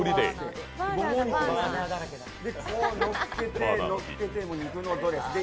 こうのっけて、のっけて肉のドレスで。